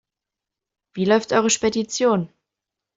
Wie läuft eure Spedition?